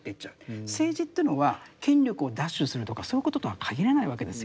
政治というのは権力を奪取するとかそういうこととは限らないわけですよね。